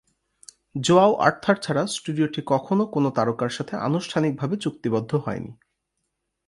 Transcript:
Joao Arthur ছাড়া স্টুডিওটি কখনো কোন তারকার সাথে আনুষ্ঠানিকভাবে চুক্তিবদ্ধ হয়নি।